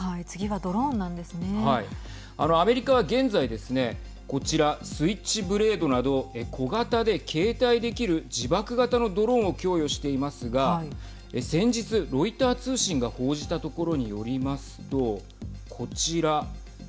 はい、アメリカは現在ですねこちら、スイッチブレードなど小型で携帯できる自爆型のドローンを供与していますが先日、ロイター通信が報じたところによりますとこちら。